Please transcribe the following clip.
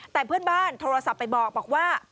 แต่เพื่อนบ้านโทรศัพท์ไปบอกว่า